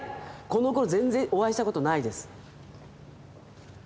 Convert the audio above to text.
このころ全然お会いしたことないです。